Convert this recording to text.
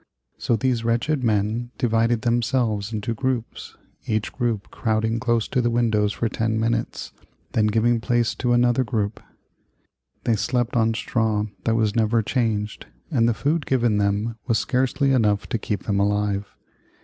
So these wretched men divided themselves into groups, each group crowding close to the windows for ten minutes, then giving place to another group. They slept on straw that was never changed, and the food given them was scarcely enough to keep them alive.